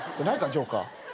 ジョーカー。